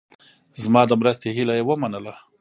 زما د مرستې هیله یې ومنله.